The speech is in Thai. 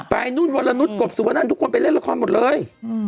นุ่นวรนุษย์กบสุวนั่นทุกคนไปเล่นละครหมดเลย